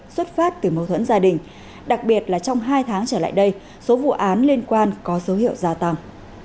xuất phát từ mâu thuẫn gia đình đặc biệt là trong hai tháng trở lại đây số vụ án liên quan có dấu hiệu gia tăng